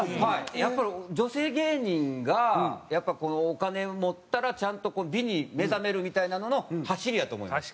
やっぱり女性芸人がやっぱお金持ったらちゃんと美に目覚めるみたいなののはしりやと思います。